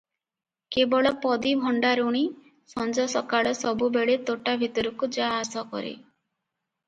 କେବଳ ପଦୀ ଭଣ୍ଡାରୁଣୀ ସଞ୍ଜ ସକାଳ ସବୁବେଳେ ତୋଟା ଭିତରକୁ ଯା ଆସ କରେ ।